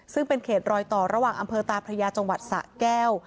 ซึ่งเป็นเขตรอยต่อระหว่างอำเภอตาพระยาจังหวัดสะแก้ว